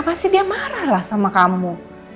pasti dia marah lah sama kamu